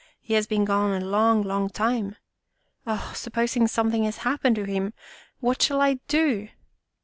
" He has been gone a long, long time. Oh, supposing something has hap pened to him! What shall I do?